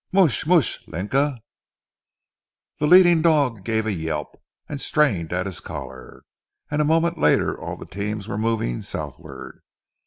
"Mooch! Mooch! Linka!" The leading dog gave a yelp, and strained at his collar, and a moment later all the teams were moving southward.